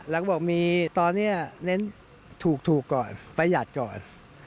แล้วก็บอกมีตอนนี้เน้นถูกก่อนประหยัดก่อน